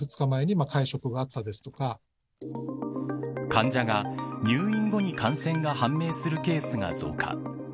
患者が入院後に感染が判明するケースが増加。